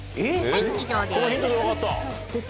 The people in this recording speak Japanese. はい以上です。